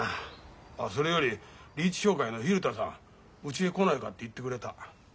あっそれよりリーチ商会の蛭田さんうちへ来ないかって言ってくれた。